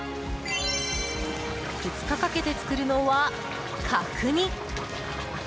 ２日かけて作るのは、角煮！